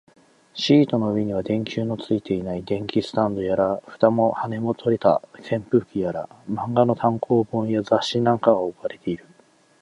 シートの上には、電球のついていない電気スタンドやら、蓋も羽も取れた扇風機やら、漫画の単行本や雑誌なんかが置かれている